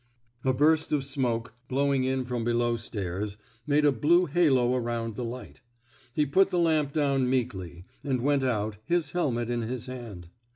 '* A burst of smoke, blowing in from below stairs, made a blue halo around the light. He put the lamp down meekly, and went out, his helmet in his hand.